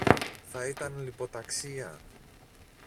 Θα ήταν λιποταξία!